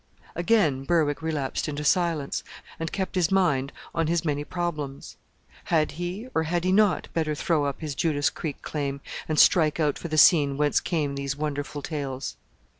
Again Berwick relapsed into silence, and kept his mind on his many problems: had he or had he not better throw up his Judas Creek Claim, and strike out for the scene whence came these wonderful tales?